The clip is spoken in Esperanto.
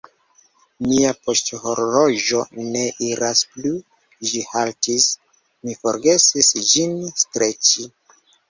Mia poŝhorloĝo ne iras plu, ĝi haltis; mi forgesis ĝin streĉi.